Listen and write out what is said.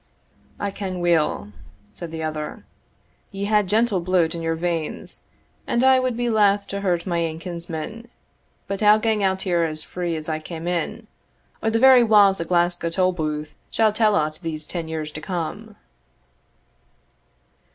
"I ken weel," said the other, "ye hae gentle bluid in your veins, and I wad be laith to hurt my ain kinsman. But I'll gang out here as free as I came in, or the very wa's o' Glasgow tolbooth shall tell o't these ten years to come."